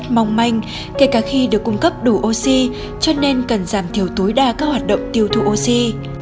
mong manh kể cả khi được cung cấp đủ oxy cho nên cần giảm thiểu tối đa các hoạt động tiêu thụ oxy